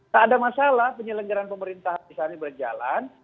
tak ada masalah penyelenggaran pemerintahan di sana berjalan